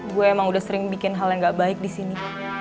gue emang udah sering bikin hal yang gak baik di sini